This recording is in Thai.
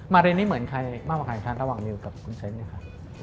มาเรียนนี่เหมือนใครมามาใครระหว่างเมล์กับคุณเซ็นต์เนี่ยค่ะ